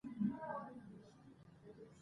خدمت د شفافو اصولو پرته اغېزمن نه وي.